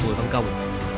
bùi văn công